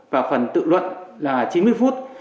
và phần tự luận là chín mươi phút